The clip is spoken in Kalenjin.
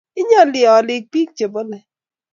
inyooli olik biik chebolei